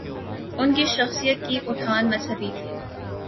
ان کی شخصیت کی اٹھان مذہبی تھی۔